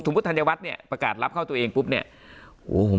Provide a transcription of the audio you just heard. สมมุติธรรยาวัฒน์เนี้ยประกาศรับเข้าตัวเองปุ๊บเนี้ยโอ้โหผม